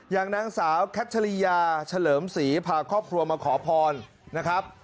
อย่างนางสาวคัชริยาเฉลิมศรีพาครอบครัวมาขอพรนะครับ